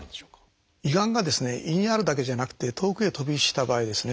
胃がんが胃にあるだけじゃなくて遠くへ飛び火した場合ですね。